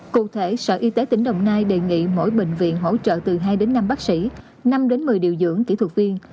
cụ thể sở y tế tỉnh đồng nai đề nghị mỗi bệnh viện hỗ trợ từ hai đến năm bác sĩ năm đến một mươi điều dưỡng kỹ thuật viên